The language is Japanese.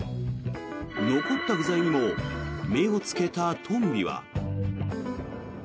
残った具材にも目をつけたトンビは。